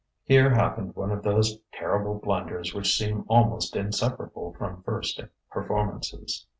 Here happened one of those terrible blunders which seem almost inseparable from first performances.